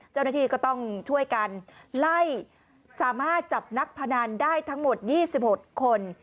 เจ้าหน้าที่ก็ต้องช่วยกันไล่สามารถจับนักพนันได้ทั้งหมด๒๖คน